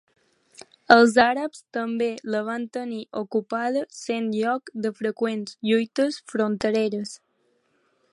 Els àrabs també la van tenir ocupada sent lloc de freqüents lluites frontereres.